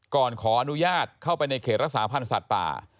ขออนุญาตเข้าไปในเขตรักษาพันธ์สัตว์ป่า